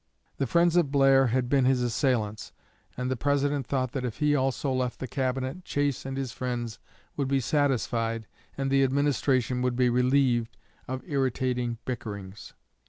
The friends of Blair had been his assailants, and the President thought that if he also left the Cabinet Chase and his friends would be satisfied and the administration would be relieved of irritating bickerings.